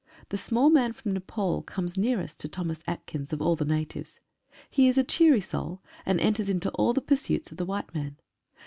The small man from Nepaul comes nearest to Thomas Atkins of all the natives. He is a cheery soul, and enters into all the pursuits of the white man.